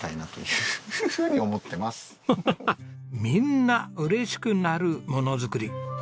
みんな嬉しくなるものづくり。